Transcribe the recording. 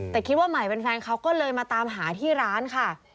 แต่คิดว่าใหม่เป็นแฟนเขาก็เลยมาตามหาที่ร้านค่ะ